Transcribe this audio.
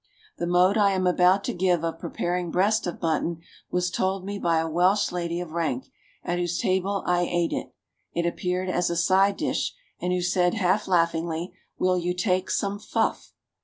The mode I am about to give of preparing breast of mutton was told me by a Welsh lady of rank, at whose table I ate it (it appeared as a side dish), and who said, half laughingly, "Will you take some 'fluff'?